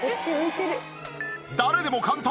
誰でも簡単！